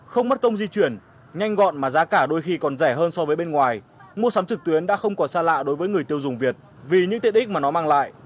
không mất công di chuyển nhanh gọn mà giá cả đôi khi còn rẻ hơn so với bên ngoài mua sắm trực tuyến đã không còn xa lạ đối với người tiêu dùng việt vì những tiện ích mà nó mang lại